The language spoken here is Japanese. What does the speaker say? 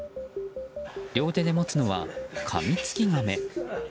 両手で持つのは、カミツキガメ。